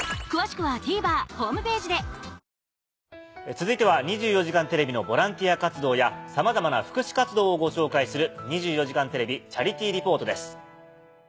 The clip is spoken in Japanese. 続いては『２４時間テレビ』のボランティア活動やさまざまな福祉活動をご紹介する。